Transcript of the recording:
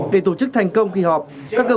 để tổ chức thành công kỳ họp các cơ